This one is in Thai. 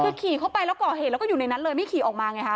คือขี่เข้าไปแล้วก่อเหตุแล้วก็อยู่ในนั้นเลยไม่ขี่ออกมาไงคะ